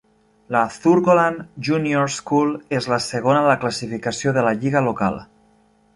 La Thurgoland Junior School és la segona a la classificació de la lliga local.